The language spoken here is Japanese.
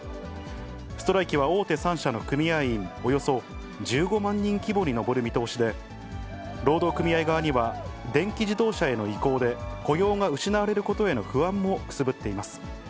ストライキは大手３社の組合員およそ１５万人規模に上る見通しで、労働組合側には、電気自動車への移行で、雇用が失われることへの不安もくすぶっています。